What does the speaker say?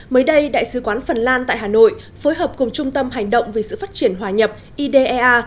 mới đây đại sứ quán phần lan tại hà nội phối hợp cùng trung tâm hành động vì sự phát triển hòa nhập idea